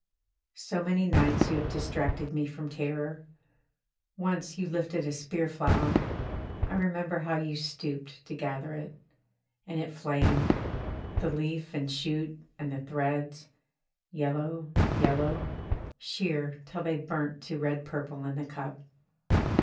So many nights you have distracted me from terror. Once you lifted a spear flower. I remember how you stooped to gather it and it flamed, the leaf and shoot and the threads, yellow, yellow sheer till they burnt to red purple in the cup.